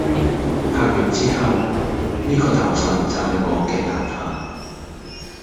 拍完之後，呢個頭髮就係我嘅頭髮